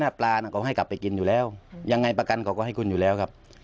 ถ้าปลาน่ะเขาให้กลับไปกินอยู่แล้วยังไงประกันเขาก็ให้คุณอยู่แล้วครับ